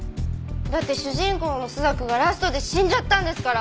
だって主人公の朱雀がラストで死んじゃったんですから！